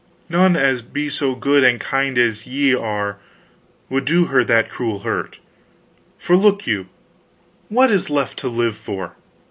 None that be so good and kind as ye are would do her that cruel hurt. For look you what is left to live for?